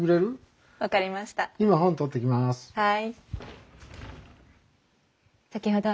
はい。